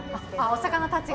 お魚たちが？